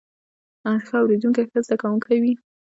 ښه اوریدونکی ښه زده کوونکی وي